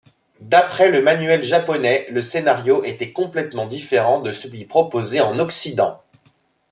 D'après le manuel japonais, le scénario était complètement différent de celui proposé en occident.